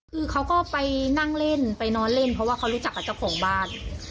คือเขาก็ไปนั่งเล่นไปนอนเล่นเพราะว่าเขารู้จักกับเจ้าของบ้าน